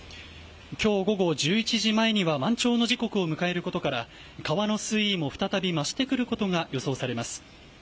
今日午後１１時前には満潮の時刻を迎えることから川の水位も再び増してくることが予想されます。